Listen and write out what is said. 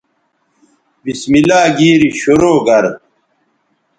بسم اللہ گیری شرو گر